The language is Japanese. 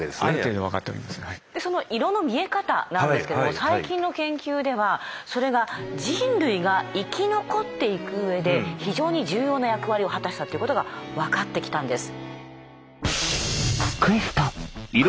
でその色の見え方なんですけども最近の研究ではそれが人類が生き残っていくうえで非常に重要な役割を果たしたっていうことが分かってきたんです。